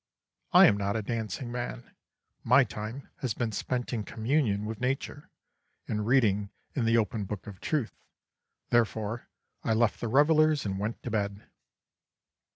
I am not a dancing man my time has been spent in communion with Nature, in reading in the open book of Truth therefore I left the revellers and went to bed.